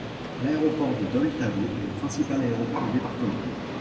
L'aéroport de Dole - Tavaux est le principal aéroport du département.